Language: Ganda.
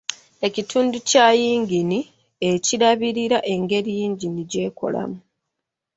Ekitundu kya yingini ekirabirira engeri yingini gyekolamu.